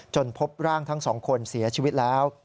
พบร่างทั้งสองคนเสียชีวิตแล้ว